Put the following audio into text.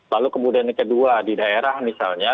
lalu kemudian yang kedua di daerah misalnya